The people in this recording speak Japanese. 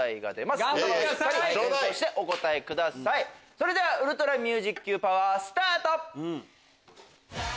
それではウルトラミュージッ Ｑ パワースタート！